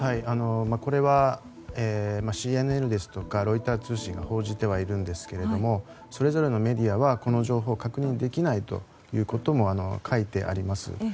これはＣＮＮですとかロイター通信が報じてはいるんですけれどそれぞれのメディアはこの情報を確認できないとも書いてあります。